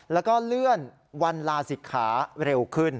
แล้วก็เลื่อนวันลาศิกขาเร็วขึ้น